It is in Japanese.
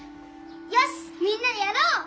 よしみんなでやろう！